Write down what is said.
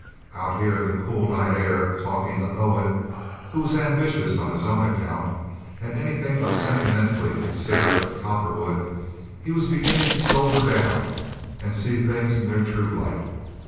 Out here in the cool night air, talking to Owen, who was ambitious on his own account and anything but sentimentally considerate of Cowperwood, he was beginning to sober down and see things in their true light.